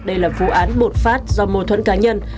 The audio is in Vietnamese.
đây là vụ án bột phát do mô thuẫn cá nhân